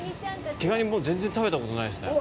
毛ガニ、全然食べたことないですね。